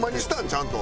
ちゃんと。